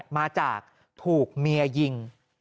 มาจากถูกเมียยิง